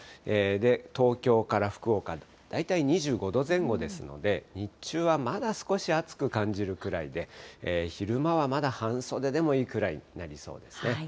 で、東京から福岡、大体２５度前後ですので、日中はまだ少し暑く感じるくらいで、昼間はまだ半袖でもいいくらいとなりそうですね。